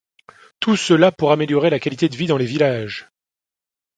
Tout cela pour améliorer la qualité de vie dans les villages.